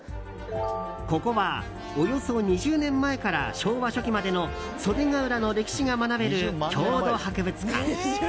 ここは、およそ２０万年前から昭和初期までの袖ケ浦の歴史が学べる郷土博物館。